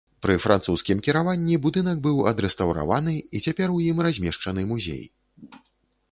Пры французскім кіраванні будынак быў адрэстаўраваны і цяпер у ім размешчаны музей.